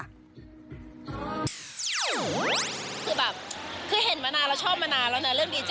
คือแบบคือเห็นมานานเราชอบมานานแล้วนะเรื่องดีเจ